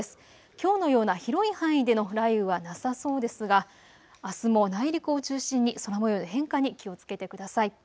きょうのような広い範囲での雷雨はなさそうですが、あすも内陸を中心に空もようの変化に気をつけてください。